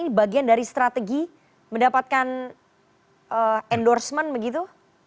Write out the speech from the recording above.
ini bagian dari strategi mendapatkan endorsement begitu